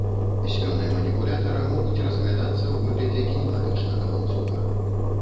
Звёны маніпулятара могуць разглядацца ў выглядзе кінематычнага ланцуга.